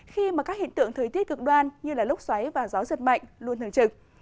khi các hiện tượng thời tiết cực đoan như lúc xoáy và gió giật mạnh luôn thường trực